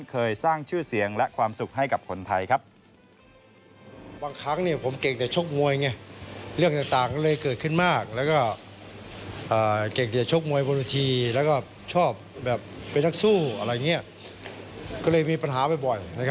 เคยสร้างชื่อเสียงและความสุขให้กับคนไทยครับ